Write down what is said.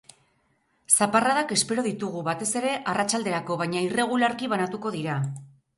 Zaparradak espero ditugu, batez ere arratsalderako, baina irregularki banatuko dira.